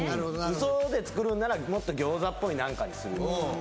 ウソで作るんならもっと餃子っぽい何かにするよね